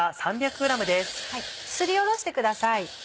すりおろしてください。